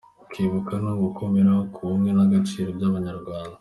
Kwibuka ni ugukomera ku bumwe n'agaciro by'abanyarwanda.